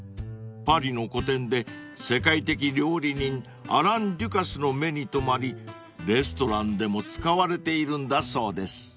［パリの個展で世界的料理人アラン・デュカスの目に留まりレストランでも使われているんだそうです］